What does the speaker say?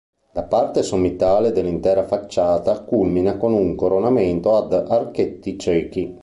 La parte sommitale dell'intera facciata culmina con un coronamento ad archetti ciechi.